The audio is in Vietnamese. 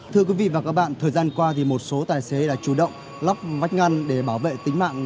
thưa quý vị và các bạn thời gian qua một số tài xế đã chủ động lắp vách ngăn để bảo vệ tính mạng